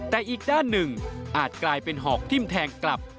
แต่อีกด้านหนึ่งอาจกลายเป็นหอกทิ้มแทงกลับ